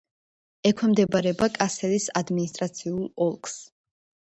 ექვემდებარება კასელის ადმინისტრაციულ ოლქს.